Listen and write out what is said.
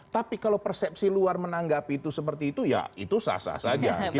tapi kalau persepsi luar menanggapi itu seperti itu ya itu sah sah saja